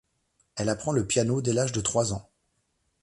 Elle apprend le piano dès l'âge de trois ans.